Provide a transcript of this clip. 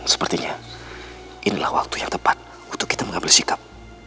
sepertinya inilah waktu yang tepat untuk kita mengambil sikap